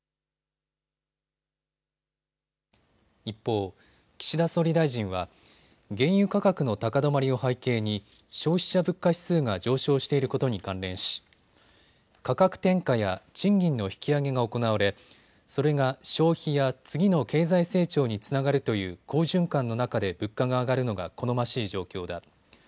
一方、岸田総理大臣は原油価格の高止まりを背景に消費者物価指数が上昇していることに関連し価格転嫁や賃金の引き上げが行われそれが消費や次の経済成長につながるという好循環の中で物価が上がるのが好ましい状況だ。